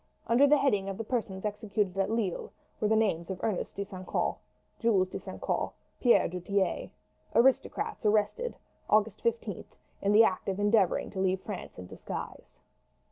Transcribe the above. Under the heading of persons executed at Lille were the names of Ernest de St. Caux, Jules de St. Caux, Pierre du Tillet "aristocrats arrested, August 15th, in the act of endeavouring to leave France in disguise."